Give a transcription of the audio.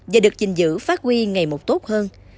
và được gìn giữ phát huy ngày một tốt hơn